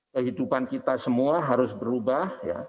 kehidupan kita semua harus berubah